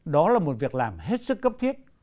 đó là một việc làm hết sức cấp thiết